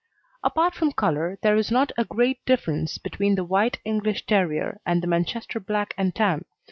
Apart from colour there is not a great difference between the White English Terrier and the Manchester Black and Tan.